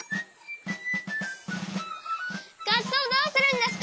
がっそうどうするんですか？